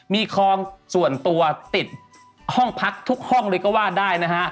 มีคลองส่วนตัวติดห้องพักทุกห้องเลยก็ว่าได้นะฮะ